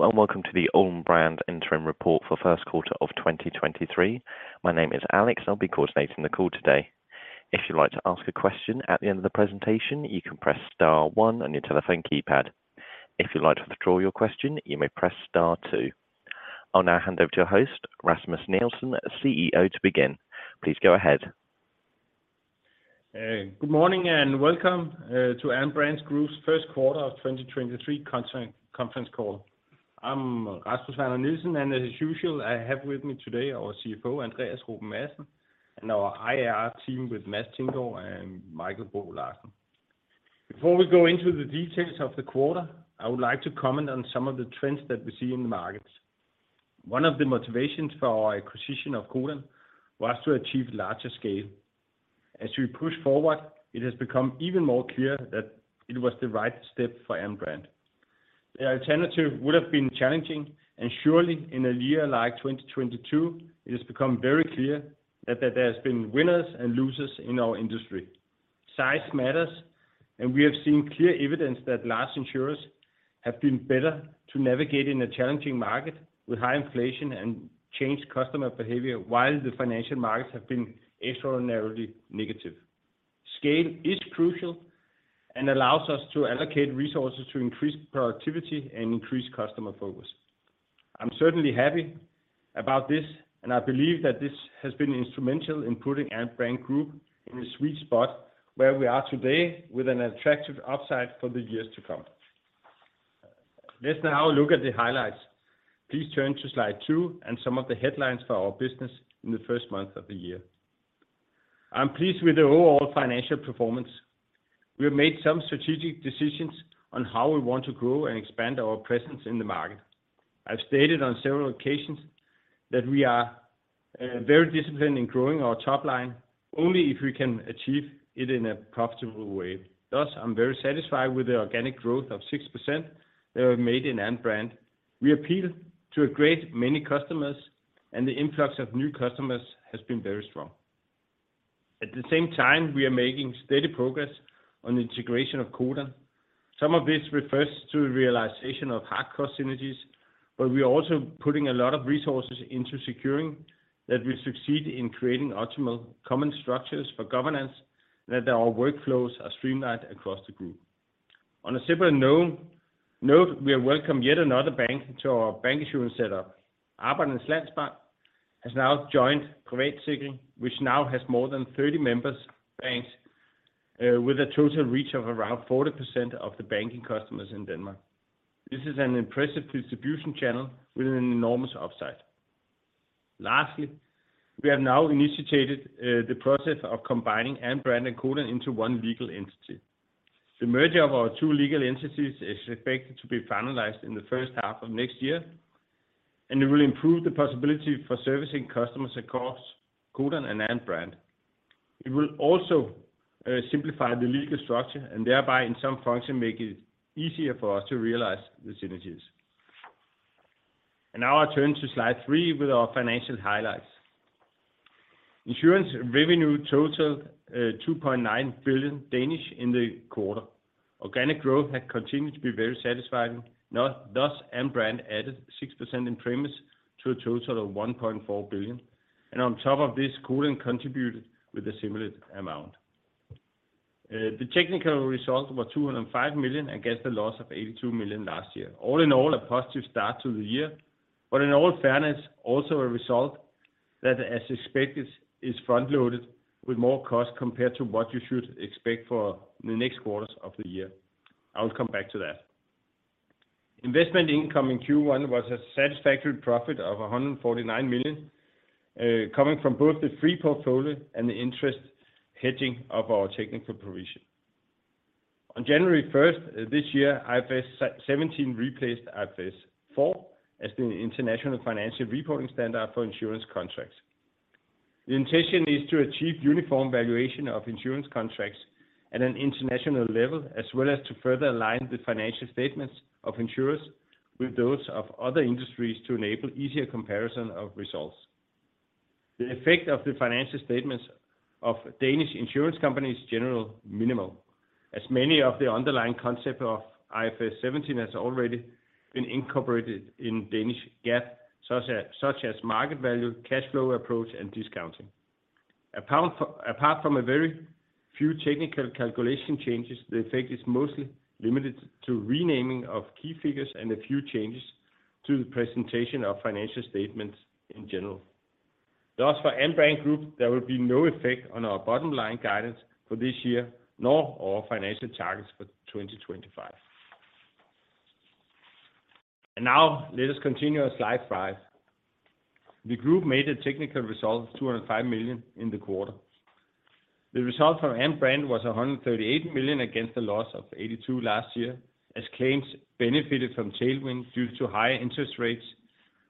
Hello, welcome to the Alm. Brand Interim Report forQ1 of 2023. My name is Alex. I'll be coordinating the call today. If you'd like to ask a question at the end of the presentation, you can press star one on your telephone keypad. If you'd like to withdraw your question, you may press star two. I'll now hand over to your host, Rasmus Nielsen, CEO, to begin. Please go ahead. Good morning and welcome to Alm. Brand Group's Q1 of 2023 contract conference call. I'm Rasmus Nielsen, as usual, I have with me today our CFO, Andreas Madsen, and our IR team with Mads Thinggaard and Michael Larsen. Before we go into the details of the quarter, I would like to comment on some of the trends that we see in the markets. One of the motivations for our acquisition of Codan was to achieve larger scale. As we push forward, it has become even more clear that it was the right step for Alm. Brand. The alternative would have been challenging, surely in a year like 2022, it has become very clear that there has been winners and losers in our industry. Size matters, and we have seen clear evidence that large insurers have been better to navigate in a challenging market with high inflation and changed customer behavior while the financial markets have been extraordinarily negative. Scale is crucial and allows us to allocate resources to increase productivity and increase customer focus. I'm certainly happy about this, and I believe that this has been instrumental in putting Alm. Brand Group in a sweet spot where we are today with an attractive upside for the years to come. Let's now look at the highlights. Please turn to slide two and some of the headlines for our business in the first month of the year. I'm pleased with the overall financial performance. We have made some strategic decisions on how we want to grow and expand our presence in the market. I've stated on several occasions that we are very disciplined in growing our top line only if we can achieve it in a profitable way. Thus, I'm very satisfied with the organic growth of 6% that we have made in Alm. Brand. We appeal to a great many customers, and the influx of new customers has been very strong. At the same time, we are making steady progress on the integration of Codan. Some of this refers to realization of hard cost synergies, but we are also putting a lot of resources into securing that we succeed in creating optimal common structures for governance, that our workflows are streamlined across the group. On a separate note, we have welcomed yet another bank to our bancassurance setup. Which now has more than 30 members banks, with a total reach of around 40% of the banking customers in Denmark. This is an impressive distribution channel with an enormous upside. Lastly, we have now initiated the process of combining Alm. Brand and Codan into one legal entity. The merger of our two legal entities is expected to be finalized in the first half of next year. It will improve the possibility for servicing customers across Codan and Alm. Brand. It will also simplify the legal structure and thereby, in some function, make it easier for us to realize the synergies. Now I turn to slide three with our financial highlights. Insurance revenue totaled 2.9 billion in the quarter. Organic growth had continued to be very satisfying. Now thus, Alm. Brand added 6% in premise to a total of 1.4 billion. On top of this, Codan contributed with a similar amount. The technical result was 205 million against a loss of 82 million last year. All in all, a positive start to the year, in all fairness, also a result that, as expected, is front-loaded with more cost compared to what you should expect for the next quarters of the year. I'll come back to that. Investment income in Q1 was a satisfactory profit of 149 million, coming from both the free portfolio and the interest hedging of our technical provision. On January first this year, IFRS 17 replaced IFRS 4 as the International Financial Reporting Standard for Insurance Contracts. The intention is to achieve uniform valuation of insurance contracts at an international level, as well as to further align the financial statements of insurers with those of other industries to enable easier comparison of results. The effect of the financial statements of Danish insurance companies is generally minimal, as many of the underlying concept of IFRS 17 has already been incorporated in Danish GAAP, such as market value, cash flow approach, and discounting. Apart from a very few technical calculation changes, the effect is mostly limited to renaming of key figures and a few changes to the presentation of financial statements in general. Thus, for Alm. Brand Group, there will be no effect on our bottom line guidance for this year, nor our financial targets for 2025. Now let us continue on slide five. The group made a technical result of 205 million in the quarter. The result from Alm. Brand was 138 million against a loss of 82 last year, as claims benefited from tailwind due to higher interest rates,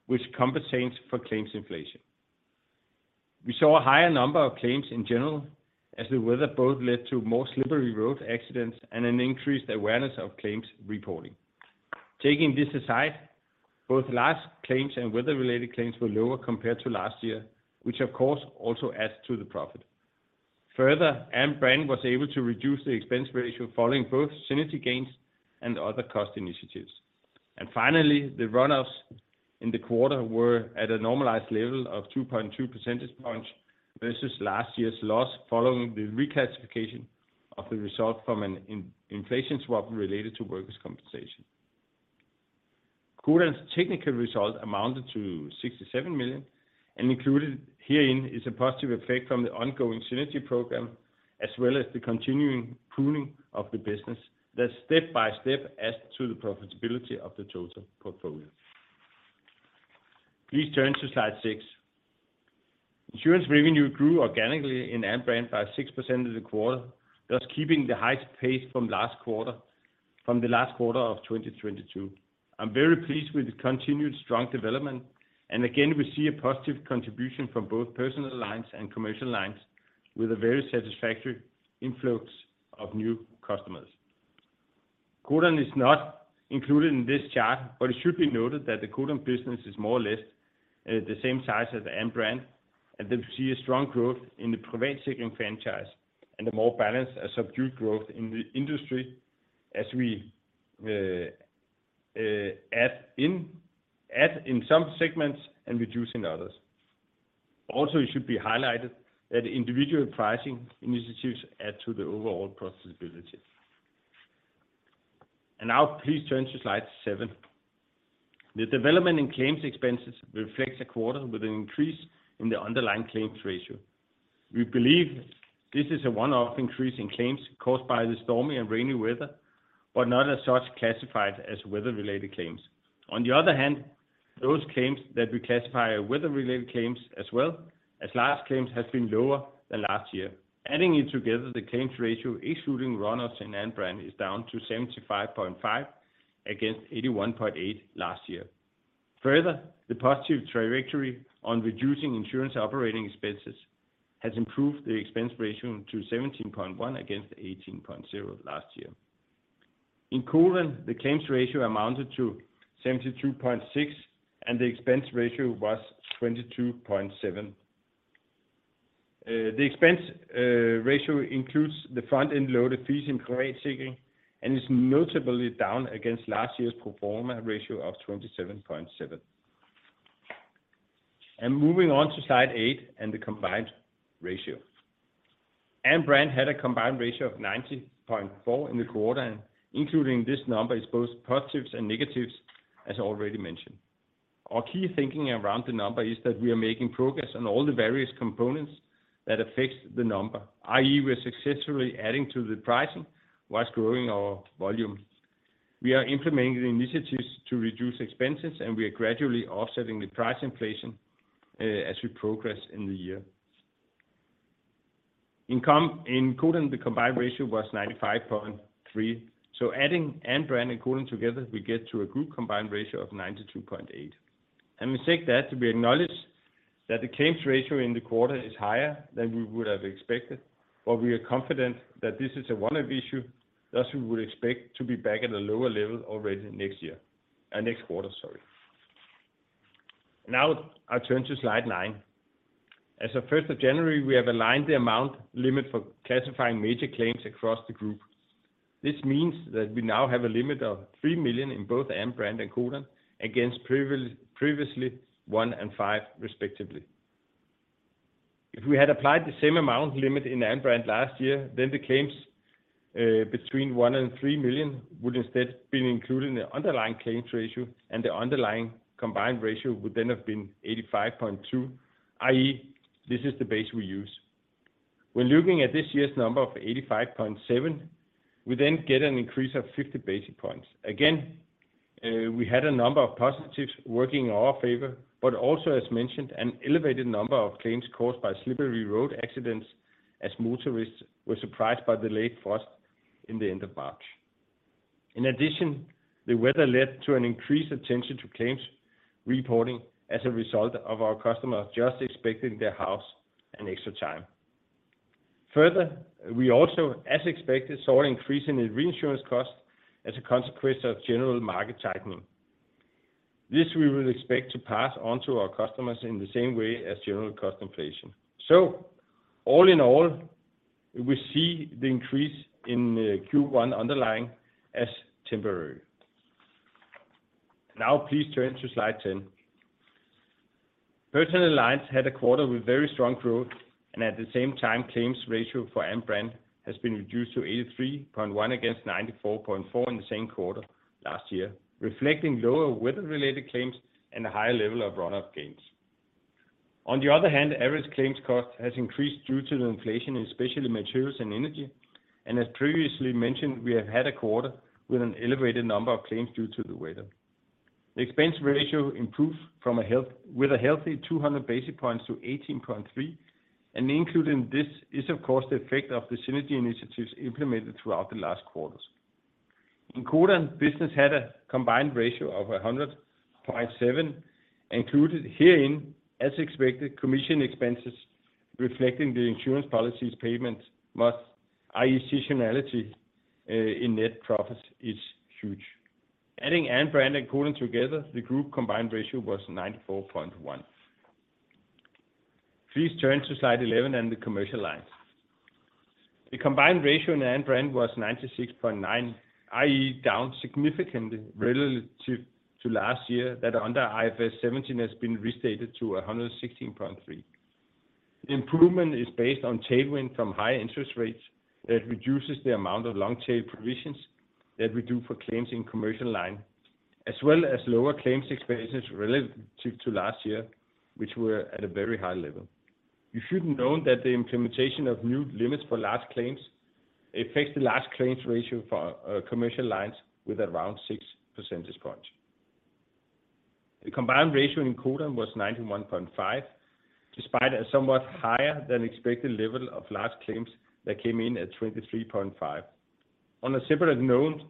which compensates for claims inflation. We saw a higher number of claims in general, as the weather both led to more slippery road accidents and an increased awareness of claims reporting. Taking this aside, both large claims and weather-related claims were lower compared to last year, which of course also adds to the profit. Further, Alm. Brand was able to reduce the expense ratio following both synergy gains and other cost initiatives. Finally, the run-offs in the quarter were at a normalized level of 2.2 percentage points versus last year's loss following the reclassification of the result from an inflation swap related to workers' compensation. Codan's technical result amounted to 67 million. Included herein is a positive effect from the ongoing synergy program, as well as the continuing pruning of the business that step by step adds to the profitability of the total portfolio. Please turn to slide six. Insurance revenue grew organically in Alm. Brand by 6% in the quarter, thus keeping the highest pace from the last quarter of 2022. I'm very pleased with the continued strong development. Again, we see a positive contribution from both personal lines and commercial lines with a very satisfactory influx of new customers. Codan is not included in this chart, but it should be noted that the Codan business is more or less the same size as Alm. Brand, and that we see a strong growth in the private sector franchise and a more balanced, a subdued growth in the industry as we add in some segments and reduce in others. Also, it should be highlighted that individual pricing initiatives add to the overall profitability. Now please turn to slide seven. The development in claims expenses reflects a quarter with an increase in the underlying claims ratio. We believe this is a one-off increase in claims caused by the stormy and rainy weather, but not as such classified as weather-related claims. On the other hand, those claims that we classify as weather-related claims as well as large claims has been lower than last year. Adding it together, the claims ratio, excluding runoffs in Alm. Brand, is down to 75.5% against 81.8% last year. Further, the positive trajectory on reducing insurance operating expenses has improved the expense ratio to 17.1% against 18.0% last year. In Codan, the claims ratio amounted to 72.6%, and the expense ratio was 22.7%. The expense ratio includes the front-end loaded fees in Privatsikring and is notably down against last year's pro forma ratio of 27.7%. Moving on to slide eight and the combined ratio. Alm. Brand had a combined ratio of 90.4% in the quarter, and including this number is both positives and negatives as already mentioned. Our key thinking around the number is that we are making progress on all the various components that affect the number, i.e. we're successfully adding to the pricing whilst growing our volume. We are implementing initiatives to reduce expenses, we are gradually offsetting the price inflation as we progress in the year. Income in Codan, the combined ratio was 95.3%. Adding Alm. Brand and Codan together, we get to a group combined ratio of 92.8%. We take that to be acknowledged that the claims ratio in the quarter is higher than we would have expected, but we are confident that this is a one-off issue, thus we would expect to be back at a lower level already next year. Next quarter, sorry. Now I turn to slide nine. As of 1st of January, we have aligned the amount limit for classifying major claims across the group. This means that we now have a limit of 3 million in both Alm. Brand and Codan against previously 1 million and 5 million respectively. If we had applied the same amount limit in Alm. Brand last year, then the claims between 1 million and 3 million would instead been included in the underlying claims ratio, and the underlying combined ratio would then have been 85.2, i.e. this is the base we use. When looking at this year's number of 85.7, we then get an increase of 50 basis points. Again, we had a number of positives working in our favor, but also as mentioned, an elevated number of claims caused by slippery road accidents as motorists were surprised by the late frost in the end of March. In addition, the weather led to an increased attention to claims reporting as a result of our customers just expecting their house an extra time. Further, we also, as expected, saw an increase in the reinsurance cost as a consequence of general market tightening. This we will expect to pass on to our customers in the same way as general cost inflation. All in all, we see the increase in Q1 underlying as temporary. Now please turn to slide 10. Personal lines had a quarter with very strong growth, and at the same time, claims ratio for Alm. Brand has been reduced to 83.1% against 94.4% in the same quarter last year, reflecting lower weather-related claims and a higher level of run-off gains. On the other hand, average claims cost has increased due to the inflation in especially materials and energy. As previously mentioned, we have had a quarter with an elevated number of claims due to the weather. The expense ratio improved with a healthy 200 basis points to 18.3%, and included in this is of course the effect of the synergy initiatives implemented throughout the last quarters. In Codan, business had a combined ratio of 100.7%. Included herein, as expected, commission expenses reflecting the insurance policies payment must, i.e. seasonality, in net profits is huge. Adding Alm. Brand and Codan together, the group combined ratio was 94.1%. Please turn to slide 11 and the commercial lines. The combined ratio in Alm. Brand was 96.9%, i.e. down significantly relative to last year that under IFRS 17 has been restated to 116.3%. Improvement is based on tailwind from high interest rates that reduces the amount of long tail provisions that we do for claims in commercial line, as well as lower claims expenses relative to last year, which were at a very high level. You should note that the implementation of new limits for large claims, it affects the large claims ratio for commercial lines with around 6 percentage points. The combined ratio in Codan was 91.5%, despite a somewhat higher than expected level of large claims that came in at 23.5%. On a separate note,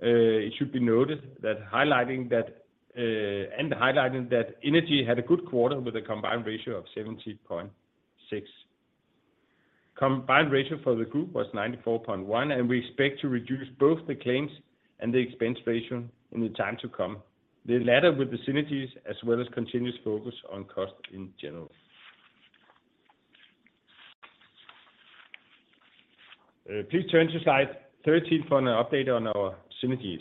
it should be noted that highlighting that and highlighting that energy had a good quarter with a combined ratio of 17.6%. Combined ratio for the group was 94.1. We expect to reduce both the claims and the expense ratio in the time to come. The latter with the synergies as well as continuous focus on cost in general. Please turn to slide 13 for an update on our synergies.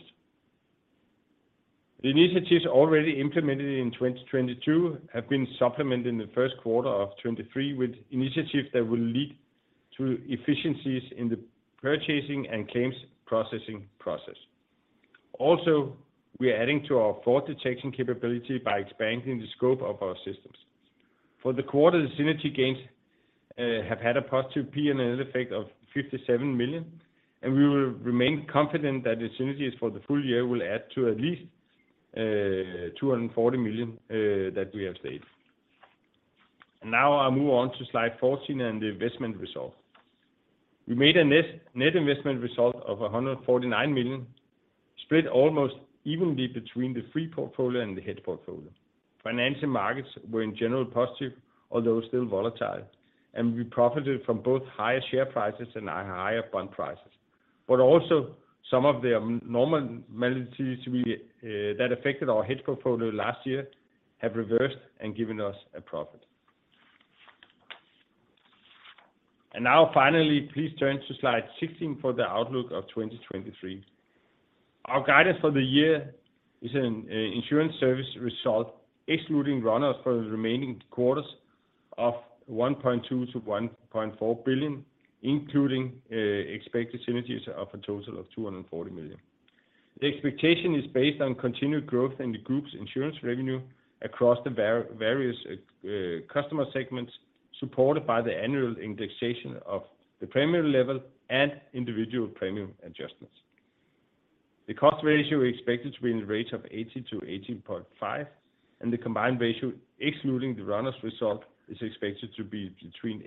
The initiatives already implemented in 2022 have been supplemented in the Q1 of 2023 with initiatives that will lead to efficiencies in the purchasing and claims processing process. Also, we are adding to our fraud detection capability by expanding the scope of our systems. For the quarter, the synergy gains have had a positive P&L effect of 57 million, and we will remain confident that the synergies for the full year will add to at least 240 million that we have saved. Now I'll move on to slide 14 and the investment result. We made a net investment result of 149 million, split almost evenly between the free portfolio and the hedge portfolio. Financial markets were in general positive, although still volatile, and we profited from both higher share prices and higher bond prices. Also some of the normal maladies we that affected our hedge portfolio last year have reversed and given us a profit. Now finally, please turn to slide 16 for the outlook of 2023. Our guidance for the year is an Insurance service result, excluding run-offs for the remaining quarters of 1.2 billion-1.4 billion, including expected synergies of a total of 240 million. The expectation is based on continued growth in the group's insurance revenue across the various customer segments, supported by the annual indexation of the premium level and individual premium adjustments. The cost ratio is expected to be in the range of 80%-80.5%, and the combined ratio, excluding the run-off result, is expected to be between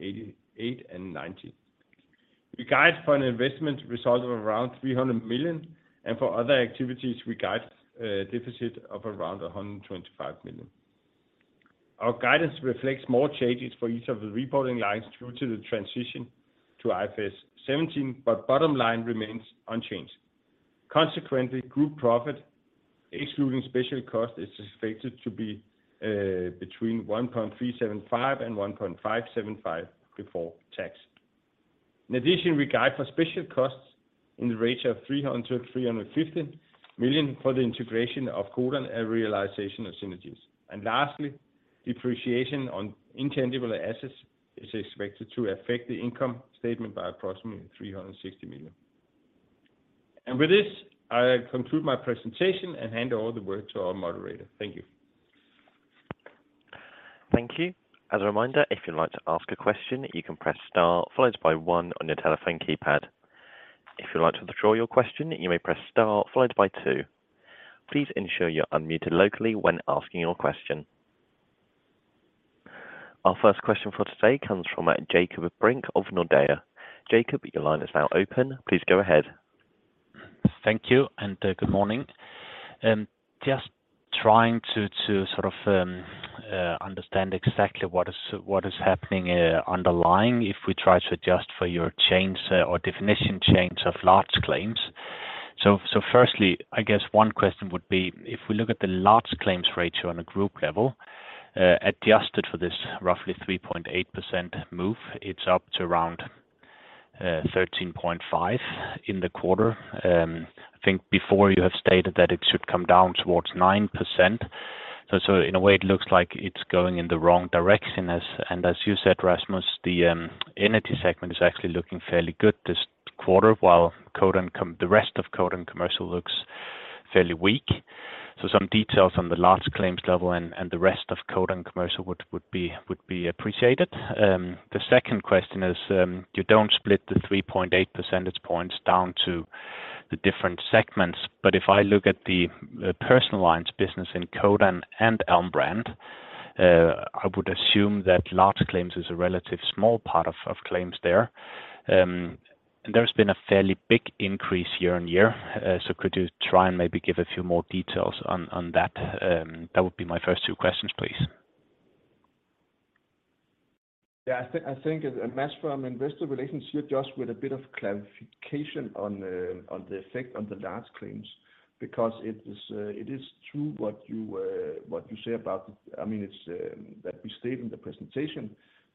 88% and 90%. We guide for an investment result of around 300 million, and for other activities, we guide a deficit of around 125 million. Our guidance reflects more changes for each of the reporting lines due to the transition to IFRS 17, but bottom line remains unchanged. Consequently, group profit, excluding special costs, is expected to be between 1.375 and 1.575 before tax. In addition, we guide for special costs in the range of 300 million-350 million for the integration of Codan and realization of synergies. Lastly, depreciation on intangible assets is expected to affect the income statement by approximately 360 million. With this, I conclude my presentation and hand over the word to our moderator. Thank you. Thank you. As a reminder, if you'd like to ask a question, you can press star followed by one on your telephone keypad. If you'd like to withdraw your question, you may press star followed by two. Please ensure you're unmuted locally when asking your question. Our first question for today comes from Jakob Brink of Nordea. Jakob, your line is now open. Please go ahead. Thank you, and good morning. Just trying to sort of understand exactly what is happening underlying if we try to adjust for your change or definition change of large claims. firstly, I guess one question would be if we look at the large claims ratio on a group level, adjusted for this roughly 3.8% move, it's up to around 13.5% in the quarter. I think before you have stated that it should come down towards 9%. In a way, it looks like it's going in the wrong direction. As you said, Rasmus, the energy segment is actually looking fairly good this quarter, while Codan the rest of Codan Commercial looks fairly weak. Some details on the large claims level and the rest of Codan Commercial would be appreciated. The second question is, you don't split the 3.8 percentage points down to the different segments. If I look at the personal lines business in Codan and Alm. Brand, I would assume that large claims is a relatively small part of claims there. There's been a fairly big increase year-over-year. Could you try and maybe give a few more details on that? That would be my first two questions, please. Yeah, I think... It's Mads from Investor Relations here just with a bit of clarification on the effect on the large claims. It is true what you say about the. I mean, it's that we state in the presentation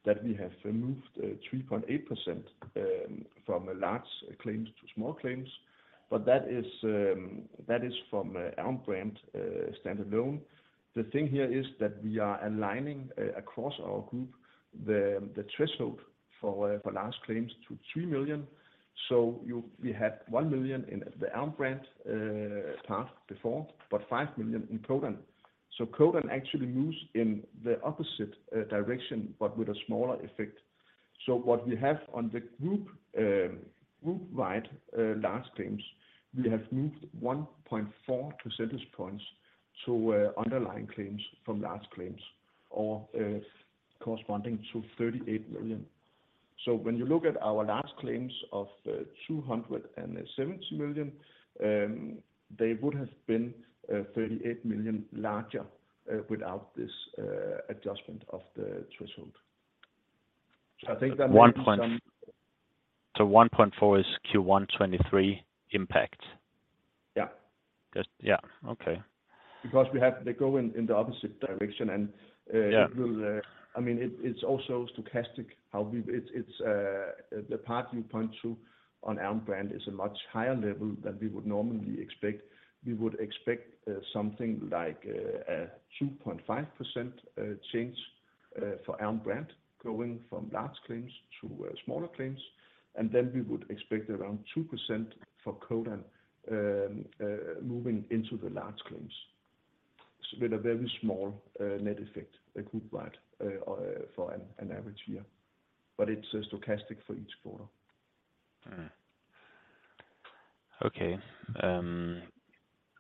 that we have removed 3.8% from the large claims to small claims. That is from Alm. Brand standalone. The thing here is that we are aligning across our group the threshold for large claims to 3 million. We had 1 million in the Alm. Brand path before, but 5 million in Codan. Codan actually moves in the opposite direction, but with a smaller effect. What we have on the group-wide, large claims, we have moved 1.4 percentage points to underlying claims from large claims or corresponding to 38 million. When you look at our large claims of 270 million, they would have been 38 million larger without this adjustment of the threshold. 1.4 is Q1 2023 impact? Yeah. Just, yeah. Okay. They go in the opposite direction and yeah, it will, I mean it's also stochastic how we, it's the path you point to on Alm. Brand is a much higher level than we would normally expect. We would expect something like a 2.5% change for Alm. Brand going from large claims to smaller claims. Then we would expect around 2% for Codan moving into the large claims. With a very small net effect group wide for an average year. It's stochastic for each quarter. Okay.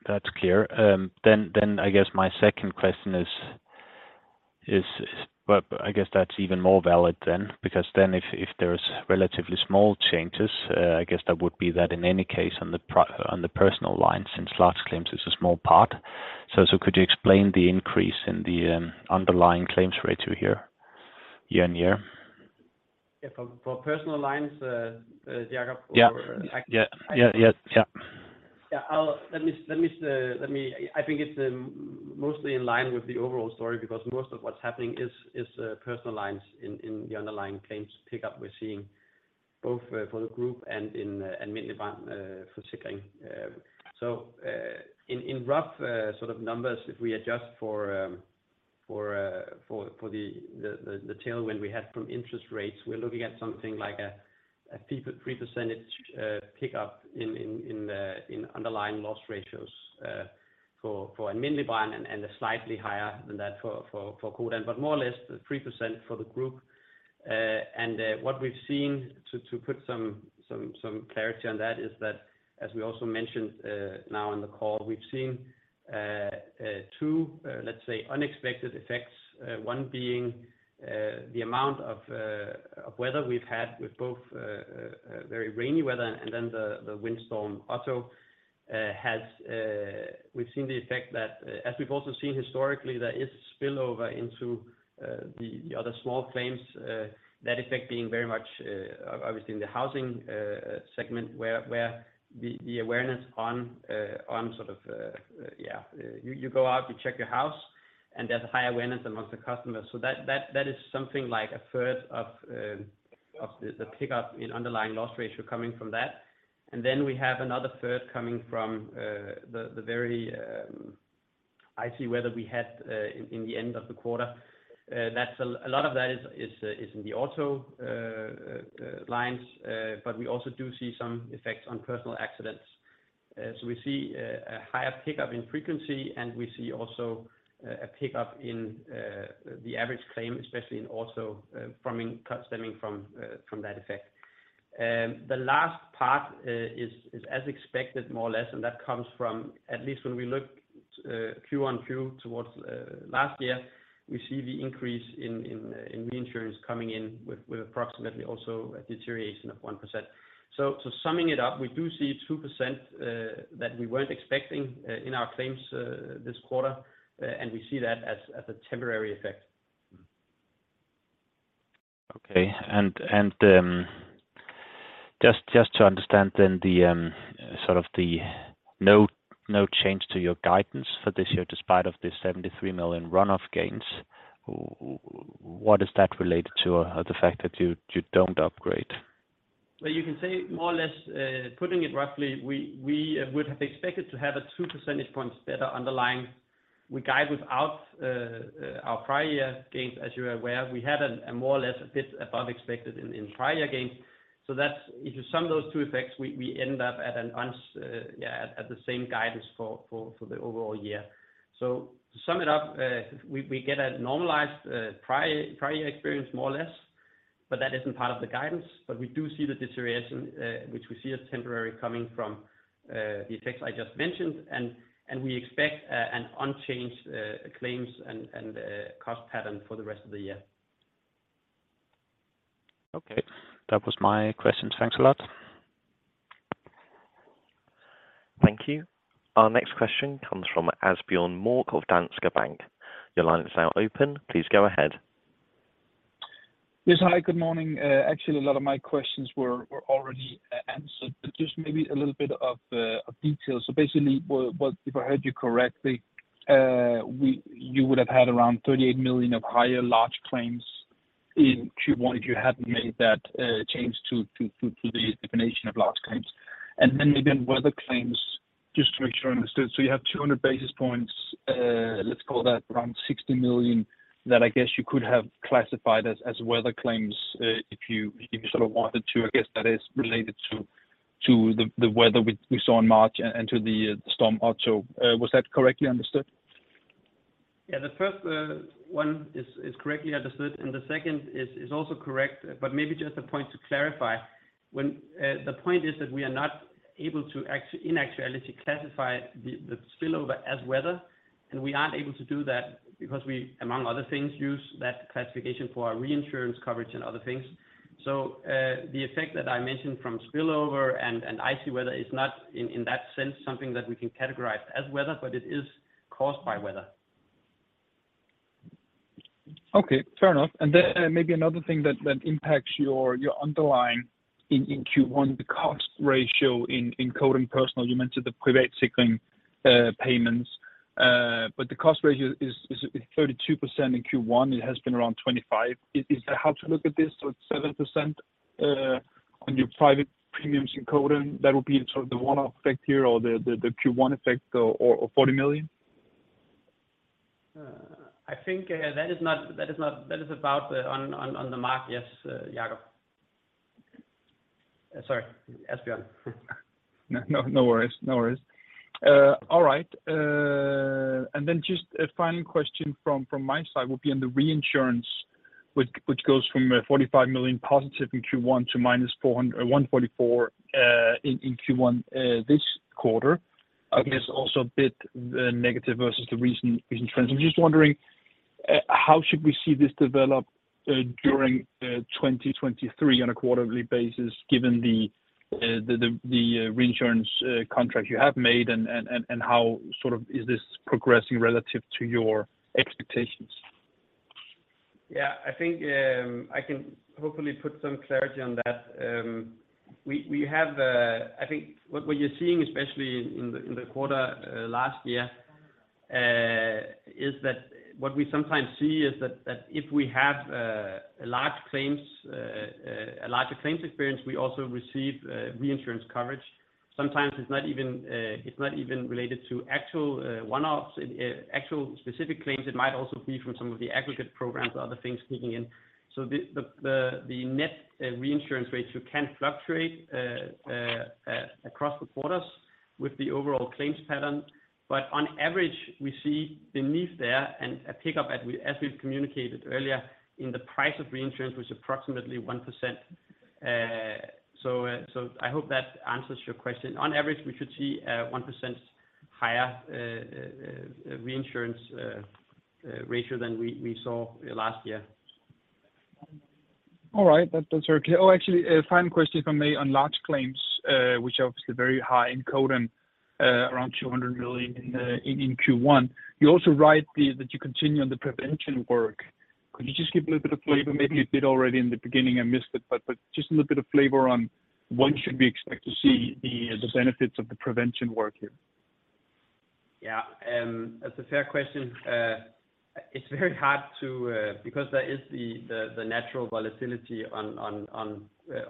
That's clear. I guess my second question is, I guess that's even more valid then because if there's relatively small changes, I guess that would be that in any case on the personal line, since large claims is a small part. Could you explain the increase in the underlying claims ratio here year-on-year? Yeah. For personal lines, Jakob- Yeah. Yeah. Let me, let me, I think it's mostly in line with the overall story because most of what's happening is personal lines in the underlying claims pickup we're seeing both for the group and in Privatsikring for securing. In rough sort of numbers, if we adjust for the tailwind we had from interest rates, we're looking at something like a 3% pickup in the underlying loss ratios for Privatsikring and a slightly higher than that for Codan. More or less 3% for the group. What we've seen to put some clarity on that is that, as we also mentioned in the call, we've seen two, let's say unexpected effects. One being the amount of weather we've had with both very rainy weather and then the windstorm also has, we've seen the effect that as we've also seen historically, there is spillover into the other small claims, that effect being very much obviously in the housing segment where the awareness on sort of, yeah, you go out, you check your house, and there's a high awareness amongst the customers. So that is something like a third of the pickup in underlying claims ratio coming from that. We have another third coming from the very icy weather we had in the end of the quarter. That's a lot of that is in the auto lines. We also do see some effects on personal accidents. We see a higher pickup in frequency, and we see also a pickup in the average claim, especially in also stemming from that effect. The last part is as expected more or less, and that comes from at least when we look Q-on-Q towards last year, we see the increase in reinsurance coming in with approximately also a deterioration of 1%. Summing it up, we do see 2% that we weren't expecting in our claims this quarter, and we see that as a temporary effect. Okay. Just, just to understand then the, sort of the no change to your guidance for this year despite of the 73 million run-off gains, what is that related to or the fact that you don't upgrade? Well, you can say more or less, putting it roughly, we would have expected to have a 2 percentage points better underlying. We guide without our prior year gains, as you're aware. We had a more or less a bit above expected in prior year gains. If you sum those two effects, we end up at the same guidance for the overall year. To sum it up, we get a normalized prior year experience more or less, but that isn't part of the guidance. We do see the deterioration, which we see as temporary coming from the effects I just mentioned. We expect an unchanged claims and cost pattern for the rest of the year. Okay. That was my question. Thanks a lot. Thank you. Our next question comes from Asbjørn Mørk of Danske Bank. Your line is now open. Please go ahead. Yes. Hi, good morning. actually, a lot of my questions were already answered, but just maybe a little bit of detail. Basically what, if I heard you correctly, you would have had around 38 million of higher large claims in Q1 if you hadn't made that change to the definition of large claims. Then maybe in weather claims, just to make sure I understood. You have 200 basis points, let's call that around 60 million, that I guess you could have classified as weather claims, if you sort of wanted to. That I guess is related to the weather we saw in March and to the storm also. Was that correctly understood? The first one is correctly understood, and the second is also correct. Maybe just a point to clarify. The point is that we are not able to in actuality classify the spillover as weather, and we aren't able to do that because we, among other things, use that classification for our reinsurance coverage and other things. The effect that I mentioned from spillover and icy weather is not in that sense something that we can categorize as weather, but it is caused by weather. Okay. Fair enough. Maybe another thing that impacts your underlying in Q1, the cost ratio in Codan, you mentioned the Privatsikring payments. The cost ratio is 32% in Q1. It has been around 25%. Is that how to look at this? It's 7% on your private premiums in Codan that would be in sort of the one-off effect here or the Q1 effect or 40 million? I think, that is about the on the mark. Yes, Jakob. Sorry, Asbjørn. No worries. All right. Then just a final question from my side would be on the reinsurance which goes from 45 million positive in Q1 to minus 144 in Q1 this quarter. I guess also a bit negative versus the recent trends. I'm just wondering how should we see this develop during 2023 on a quarterly basis, given the reinsurance contract you have made? How sort of is this progressing relative to your expectations? I think I can hopefully put some clarity on that. We have, I think what you're seeing especially in the quarter last year is that what we sometimes see is that if we have a large claims, a larger claims experience, we also receive reinsurance coverage. Sometimes it's not even related to actual one-offs, actual specific claims. It might also be from some of the aggregate programs or other things kicking in. The net reinsurance ratio can fluctuate across the quarters with the overall claims pattern. On average, we see beneath there and a pickup as we've communicated earlier in the price of reinsurance was approximately 1%. I hope that answers your question. On average, we should see 1% higher reinsurance ratio than we saw last year. All right. That's very clear. Oh, actually, a final question from me on large claims, which are obviously very high in Codan, around 200 million in Q1. You also write that you continue on the prevention work. Could you just give a little bit of flavor? Maybe you did already in the beginning, I missed it, but just a little bit of flavor on when should we expect to see the benefits of the prevention work here? Yeah. That's a fair question. It's very hard to, because there is the natural volatility on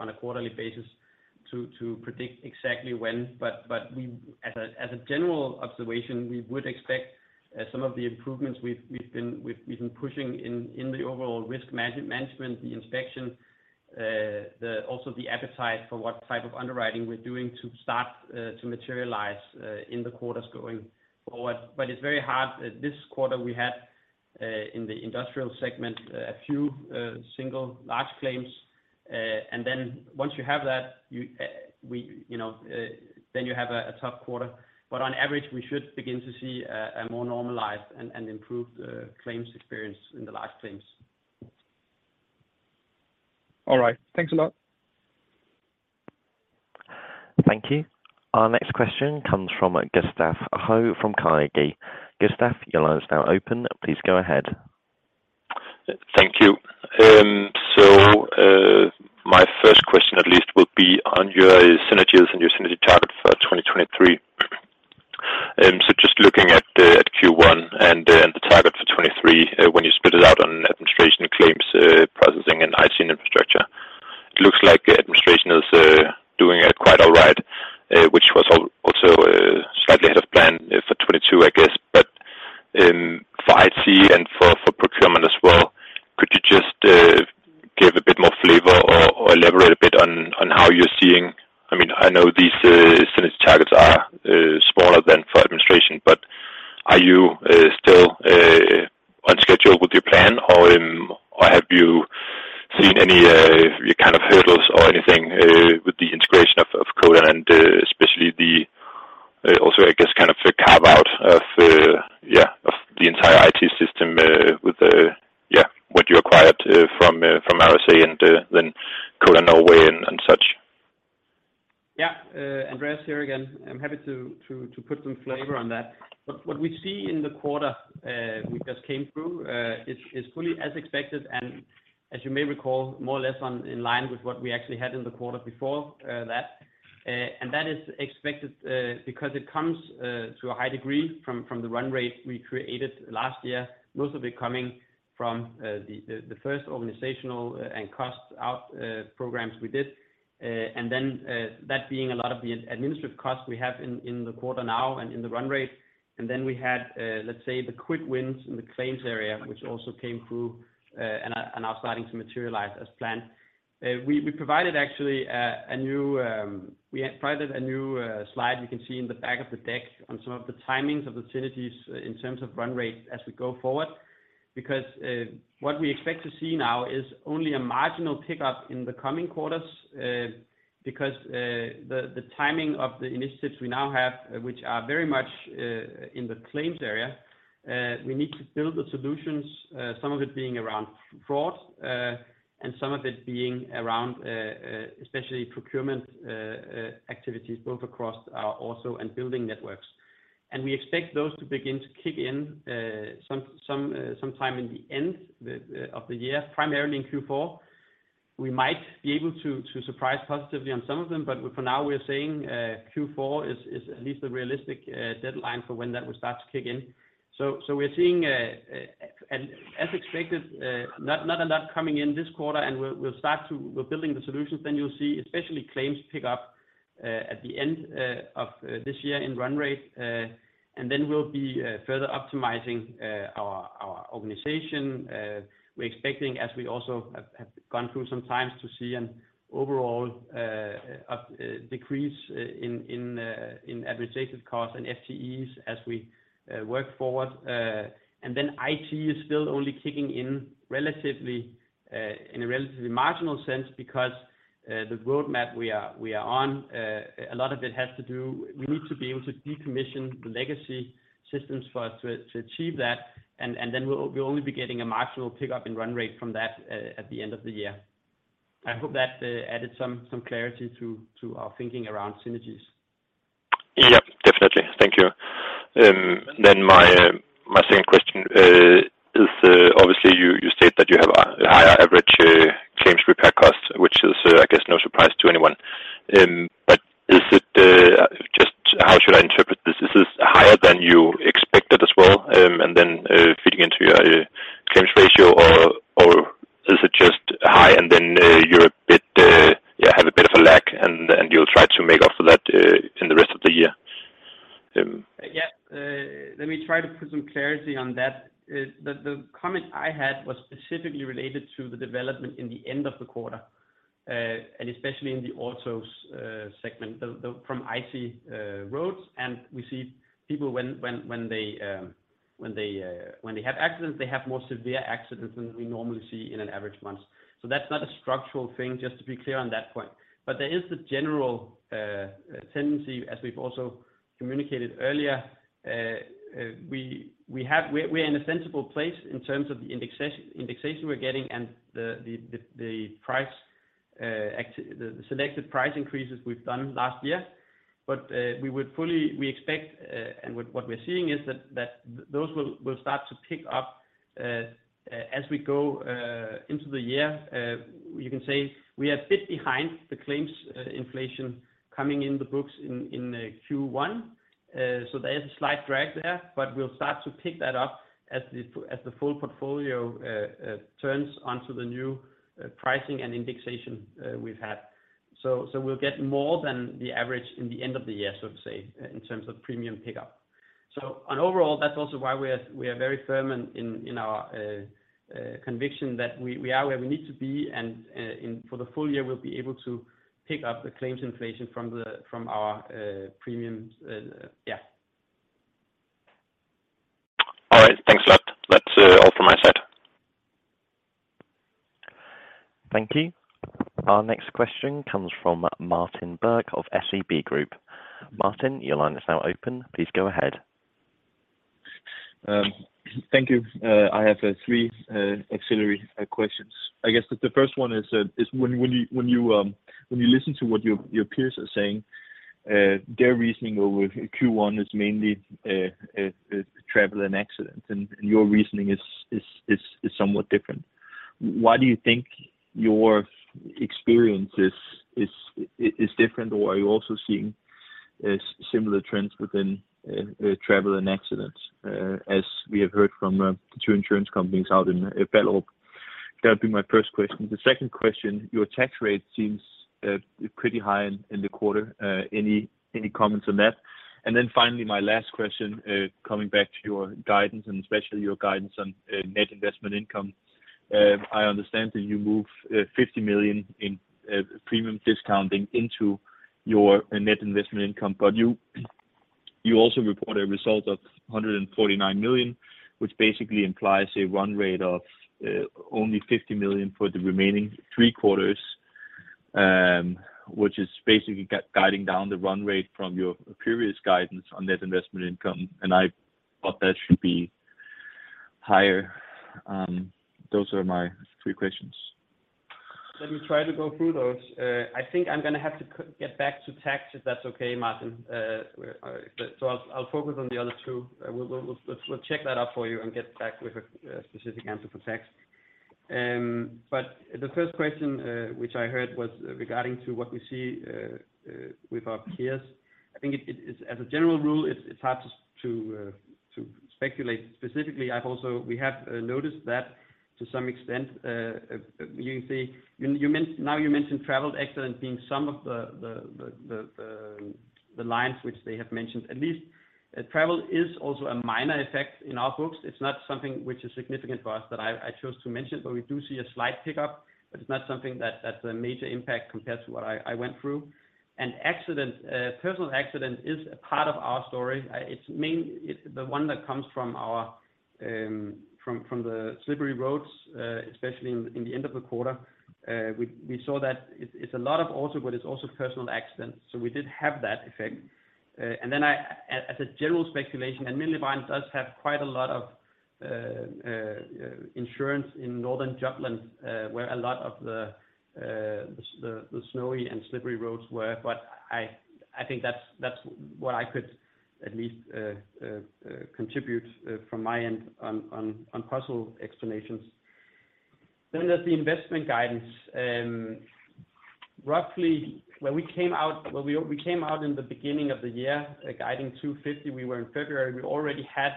a quarterly basis to predict exactly when. We as a general observation, we would expect some of the improvements we've been pushing in the overall risk management, the inspection, also the appetite for what type of underwriting we're doing to start to materialize in the quarters going forward. It's very hard. This quarter we had in the industrial segment, a few single large claims. Once you have that, you, we, you know, then you have a tough quarter. On average, we should begin to see a more normalized and improved claims experience in the large claims. All right. Thanks a lot. Thank you. Our next question comes from Gustav Hoegh from Carnegie. Gustav, your line is now open. Please go ahead. Thank you. My first question at least will be on your synergies and your synergy target for 2023. Looking at Q1 and the target for 2023, when you split it out on administration claims, processing and IT infrastructure, it looks like administration is doing quite all right, which was also slightly ahead of plan for 2022, I guess. For IT and for procurement as well, could you just give a bit more flavor or elaborate a bit on how you're seeing? I mean, I know these synergy targets are smaller than for administration, but are you still on schedule with your plan? Have you seen any your kind of hurdles or anything with the integration of Codan and especially the also, I guess, [Codan} yeah... The entire IT system with the yeah, what you acquired from RSA and then Codan Norway and such. Andreas here again. I'm happy to put some flavor on that. What we see in the quarter we just came through is fully as expected, and as you may recall, more or less on in line with what we actually had in the quarter before that. That is expected because it comes to a high degree from the run rate we created last year. Most of it coming from the first organizational and cost out programs we did. That being a lot of the administrative costs we have in the quarter now and in the run rate. We had, let's say, the quick wins in the claims area, which also came through and are now starting to materialize as planned. We provided actually a new, we provided a new slide we can see in the back of the deck on some of the timings of the synergies in terms of run rate as we go forward, because what we expect to see now is only a marginal pickup in the coming quarters because the timing of the initiatives we now have, which are very much in the claims area, we need to build the solutions, some of it being around fraud, and some of it being around especially procurement activities both across our also and building networks. We expect those to begin to kick in sometime in the end of the year, primarily in Q4. We might be able to surprise positively on some of them, but for now we are saying, Q4 is at least the realistic deadline for when that will start to kick in. We're seeing, and as expected, not a lot coming in this quarter, and we're building the solutions. You'll see especially claims pick up at the end of this year in run rate. We'll be further optimizing our organization. We're expecting, as we also have gone through some times to see an overall decrease in administrative costs and FTEs as we work forward. IT is still only kicking in relatively, in a relatively marginal sense because, the roadmap we are on, a lot of it has to do. We need to be able to decommission the legacy systems for us to achieve that. We'll only be getting a marginal pickup in run rate from that at the end of the year. I hope that added some clarity to our thinking around synergies. Yep, definitely. Thank you. My second question is obviously you state that you have a higher average claims repair costs, which is I guess no surprise to anyone. Is it just how should I interpret this? Is this higher than you expected as well? Feeding into your claims ratio or is it just high and then you're a bit, yeah, have a bit of a lag and you'll try to make up for that in the rest of the year? Yeah. Let me try to put some clarity on that. The comment I had was specifically related to the development in the end of the quarter, and especially in the autos segment, from IT roads. We see people when they have accidents, they have more severe accidents than we normally see in an average month. That's not a structural thing, just to be clear on that point. There is the general tendency, as we've also communicated earlier, we're in a sensible place in terms of the indexation we're getting and the selected price increases we've done last year. We would fully, we expect, and what we are seeing is that those will start to pick up as we go into the year. You can say we are a bit behind the claims inflation coming in the books in Q1. So there is a slight drag there, but we will start to pick that up as the full portfolio turns onto the new pricing and indexation we have had. So we will get more than the average in the end of the year, so to say, in terms of premium pickup. On overall, that is also why we are very firm in our conviction that we are where we need to be, and in...For the full year, we'll be able to pick up the claims inflation from the, from our premiums. Yeah. All right. Thanks a lot. That's all from my side. Thank you. Our next question comes from Martin Birk of SEB Group. Martin, your line is now open. Please go ahead. Thank you. I have three auxiliary questions. I guess the first one is when you listen to what your peers are saying, their reasoning over Q1 is mainly travel and accidents, and your reasoning is somewhat different. Why do you think your experience is different, or are you also seeing similar trends within travel and accidents, as we have heard from two insurance companies out in? That'd be my first question. The second question, your tax rate seems pretty high in the quarter. Any comments on that? Finally, my last question, coming back to your guidance and especially your guidance on net investment income. I understand that you move 50 million in premium discounting into your net investment income. You also report a result of 149 million, which basically implies a run rate of only 50 million for the remaining three quarters. Which is basically guiding down the run rate from your previous guidance on net investment income, and I thought that should be higher. Those are my three questions. Let me try to go through those. I think I'm gonna have to get back to tax if that's okay, Martin. I'll focus on the other two. We'll check that out for you and get back with a specific answer for tax. The first question, which I heard was regarding to what we see with our peers. I think it is as a general rule, it's hard to speculate specifically. We have noticed that to some extent, you can see... You mentioned travel accident being some of the lines which they have mentioned. At least travel is also a minor effect in our books. It's not something which is significant for us that I chose to mention, but we do see a slight pickup, but it's not something that's a major impact compared to what I went through. Accident, personal accident is a part of our story. It's main... The one that comes from our, from the slippery roads, especially in the end of the quarter. We saw that it's a lot of auto, but it's also personal accidents, so we did have that effect. Then I-as a general speculation, and Mindeparken does have quite a lot of insurance in Northern Jutland, where a lot of the snowy and slippery roads were. I think that's what I could at least contribute from my end on possible explanations. There's the investment guidance. Roughly when we came out, when we came out in the beginning of the year, guiding 250, we were in February. We already had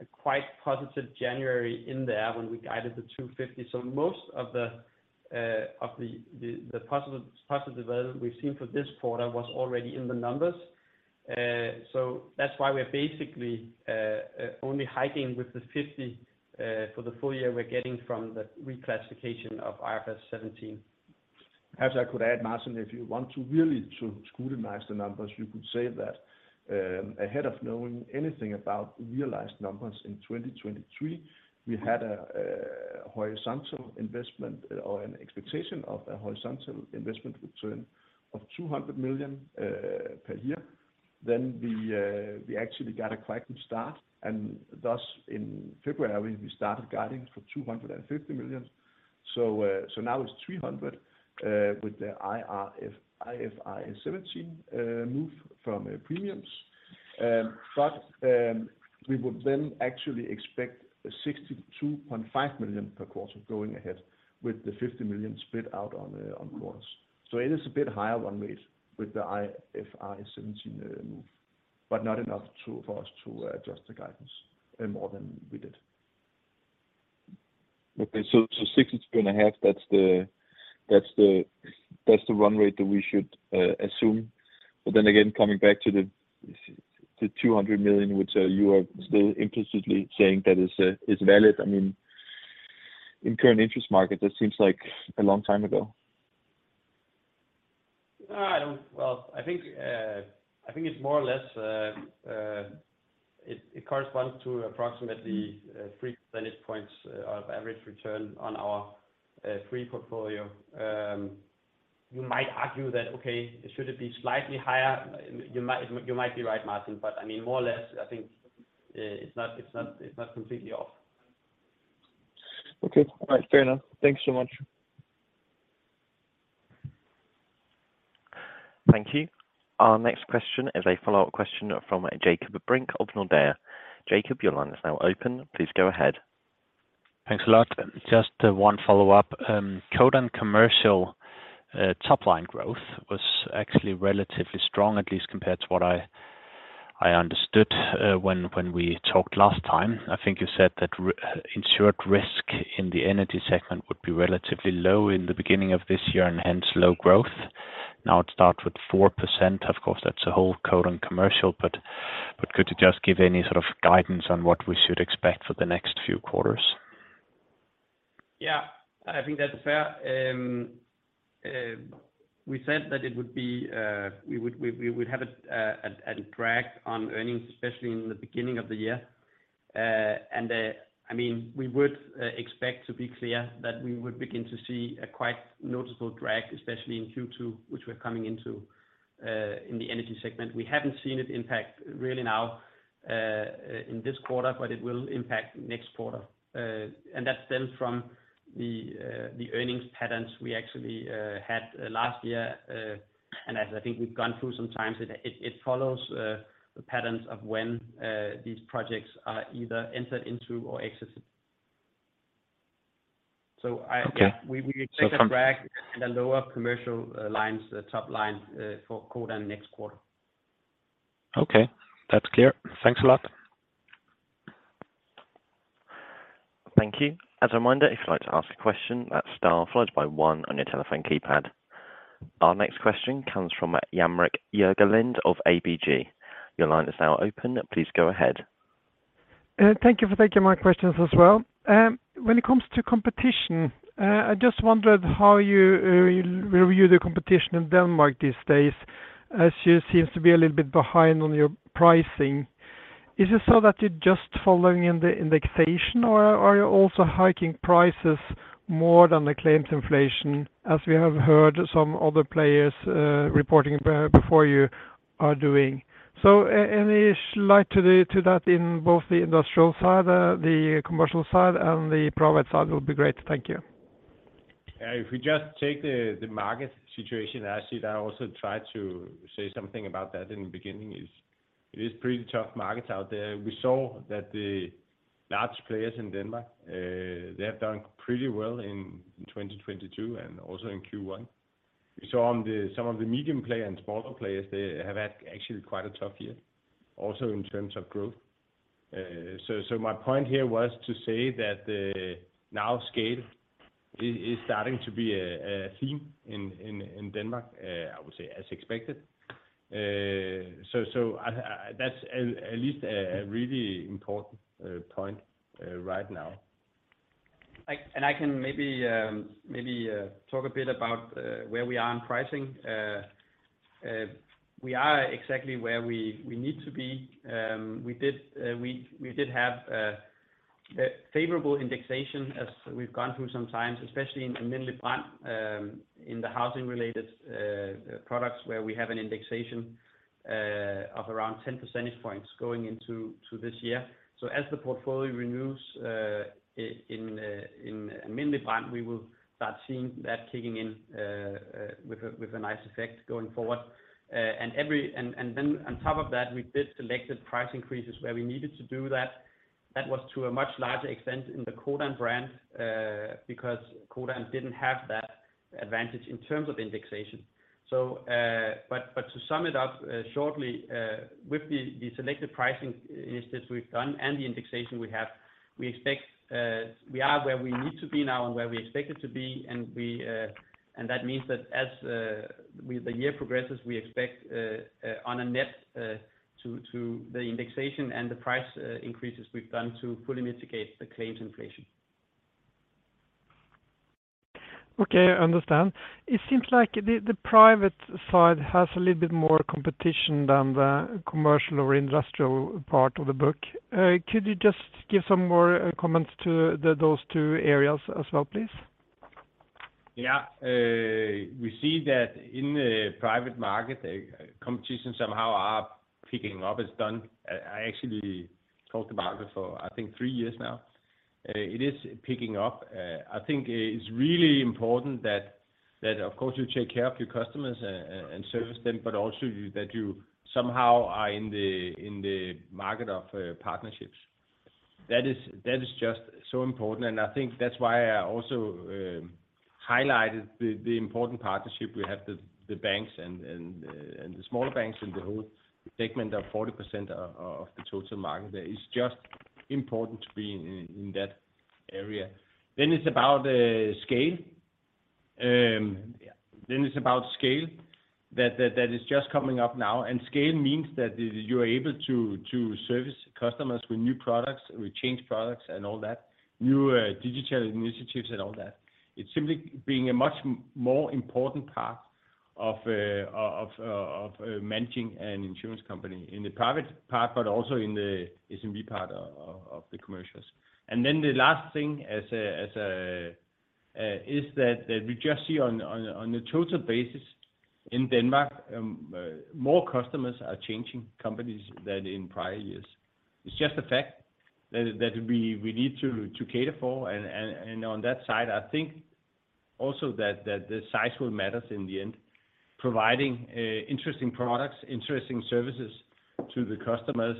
a quite positive January in there when we guided the 250. Most of the positive development we've seen for this quarter was already in the numbers. That's why we're basically only hiking with the 50 for the full year we're getting from the reclassification of IFRS 17. Perhaps I could add, Martin, if you want to really to scrutinize the numbers, you could say that, ahead of knowing anything about realized numbers in 2023, we had a horizontal investment or an expectation of a horizontal investment return of 200 million per year. We actually got a quite good start, and thus in February, we started guiding for 250 million. Now it's 300 with the IFRS 17 move from premiums. We would then actually expect a 62.5 million per quarter going ahead with the 50 million split out on quarters. It is a bit higher run rate with the IFRS 17 move, but not enough to, for us to adjust the guidance any more than we did. Okay. 62.5, that's the run rate that we should assume. Coming back to the 200 million, which you are still implicitly saying that is valid. I mean, in current interest market, that seems like a long time ago. I don't. Well, I think it's more or less, it corresponds to approximately 3 percentage points of average return on our free portfolio. You might argue that, okay, should it be slightly higher? You might be right, Martin, but I mean, more or less, I think it's not completely off. Okay. All right. Fair enough. Thanks so much. Thank you. Our next question is a follow-up question from Jakob Brink of Nordea. Jakob, your line is now open. Please go ahead. Thanks a lot. Just one follow-up. Codan Commercial top line growth was actually relatively strong, at least compared to what I understood when we talked last time. I think you said that insured risk in the energy segment would be relatively low in the beginning of this year and hence low growth. Now it starts with 4%. Of course, that's the whole Codan Commercial, but could you just give any sort of guidance on what we should expect for the next few quarters? Yeah, I think that's fair. We said that it would be, we would have a drag on earnings, especially in the beginning of the year. I mean, we would expect to be clear that we would begin to see a quite noticeable drag, especially in Q2, which we're coming into in the energy segment. We haven't seen it impact really now in this quarter, but it will impact next quarter. That stems from the earnings patterns we actually had last year. As I think we've gone through some times, it follows the patterns of when these projects are either entered into or exited. So I-. Okay. We expect a drag in the lower commercial lines, the top line for Codan next quarter. Okay. That's clear. Thanks a lot. Thank you. As a reminder, if you'd like to ask a question, that's star followed by one on your telephone keypad. Our next question comes from Jan Erik Gjerland of ABG. Your line is now open. Please go ahead. Thank you for taking my questions as well. When it comes to competition, I just wondered how you review the competition in Denmark these days. As you seem to be a little bit behind on your pricing, is it so that you're just following in the indexation or are you also hiking prices more than the claims inflation, as we have heard some other players, reporting before you are doing? Any light today to that in both the industrial side, the commercial side, and the private side will be great. Thank you. Yeah. If we just take the market situation, I also tried to say something about that in the beginning, it is pretty tough markets out there. We saw that the large players in Denmark, they have done pretty well in 2022 and also in Q1. We saw some of the medium player and smaller players, they have had actually quite a tough year also in terms of growth. My point here was to say that the now scale is starting to be a theme in Denmark, I would say as expected. I that's at least a really important point right now. I can maybe talk a bit about where we are on pricing. We are exactly where we need to be. We did have a favorable indexation as we've gone through some times, especially in Alm. Brand, in the housing related products where we have an indexation of around 10 percentage points going into this year. As the portfolio renews in Alm. Brand, we will start seeing that kicking in with a nice effect going forward. Then on top of that, we did selective price increases where we needed to do that. That was to a much larger extent in the Codan brand because Codan didn't have that advantage in terms of indexation. To sum it up, shortly, with the selective pricing instance we've done and the indexation we have, we expect we are where we need to be now and where we expect it to be. We, and that means that as the year progresses, we expect on a net to the indexation and the price increases we've done to fully mitigate the claims inflation. Okay. I understand. It seems like the private side has a little bit more competition than the commercial or industrial part of the book. Could you just give some more comments to those two areas as well, please? Yeah. We see that in the private market, competition somehow are picking up. It's done. I actually talked about it for, I think three years now. It is picking up. I think it's really important that of course you take care of your customers and service them, but also that you somehow are in the market of partnerships. That is just so important. I think that's why I also highlighted the important partnership we have with the banks and the smaller banks and the whole segment of 40% of the total market. That is just important to be in that area. It's about scale. That is just coming up now. Scale means that you are able to service customers with new products, with changed products and all that, new digital initiatives and all that. It's simply being a much more important part of managing an insurance company in the private part, but also in the SMB part of the commercials. The last thing as a is that we just see on a total basis in Denmark, more customers are changing companies than in prior years. It's just a fact that we need to cater for. On that side, I think also that the size will matters in the end, providing interesting products, interesting services to the customers,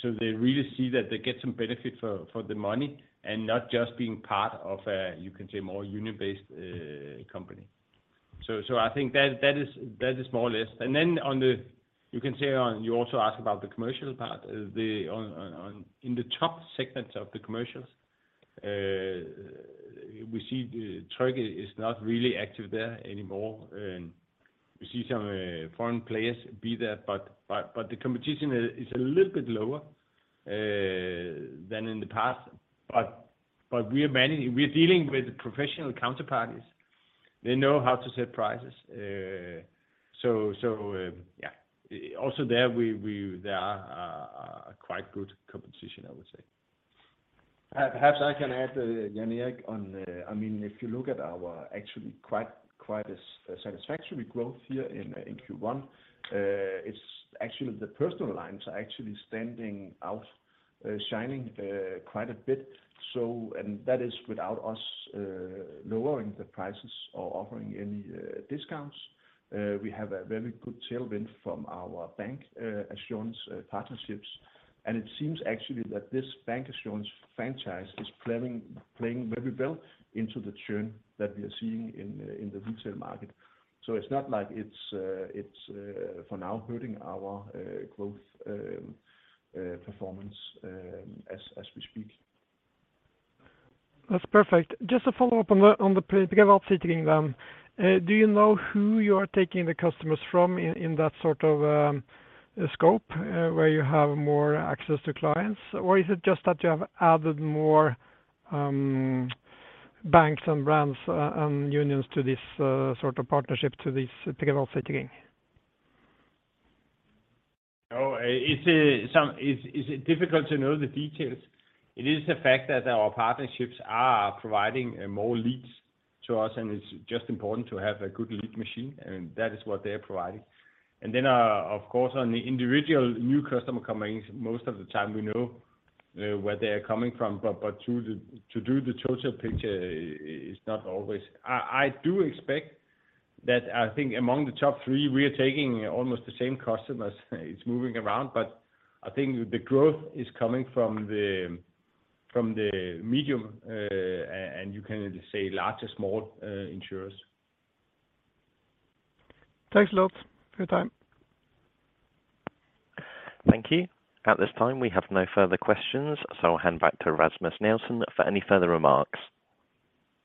so they really see that they get some benefit for their money and not just being part of a, you can say, more union-based company. I think that is more or less. Then on the, you can say on, you also ask about the commercial part. The, in the top segments of the commercials, we see Tryg is not really active there anymore. We see some foreign players be there, but the competition is a little bit lower than in the past. We are managing. We're dealing with professional counterparties. They know how to set prices. Yeah. Also there are a quite good competition, I would say. Perhaps I can add, Jan Erik. I mean, if you look at our actually quite a satisfactory growth here in Q1, it's actually the personal lines are actually standing out, shining quite a bit. That is without us lowering the prices or offering any discounts. We have a very good tailwind from our bank insurance partnerships, and it seems actually that this bank insurance franchise is playing very well into the churn that we are seeing in the retail market. It's not like it's for now hurting our growth performance as we speak. That's perfect. Just to follow up on the, on the [inaudible] Do you know who you're taking the customers from in the sort of... Scope where you have more access to clients or is it just a... we have no further questions, I'll hand back to Rasmus Nielsen for any further remarks.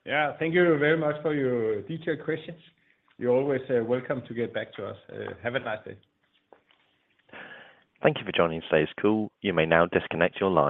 Yeah. Thank you very much for your detailed questions. You're always welcome to get back to us. Have a nice day. Thank you for joining today's call. You may now disconnect your line.